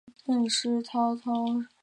一般涨满潮至刚退潮之间是观察良时。